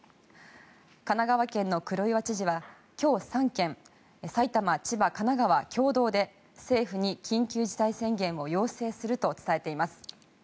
神奈川県の黒岩知事は今日３県埼玉、千葉、神奈川共同で政府に緊急事態宣言を要請すると伝えています。